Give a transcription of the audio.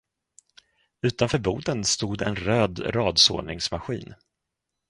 Utanför boden stod en röd radsåningsmaskin.